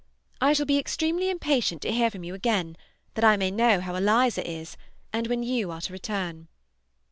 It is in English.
I shall be extremely impatient to hear from you again, that I may know how Eliza is, and when you are to return.